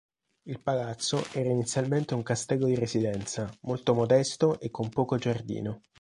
Il palazzo era inizialmente un castello di residenza, molto modesto e con poco giardino.